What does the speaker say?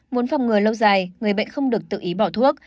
muốn phòng ngừa lâu dài người bệnh không được tự ý bỏ thuốc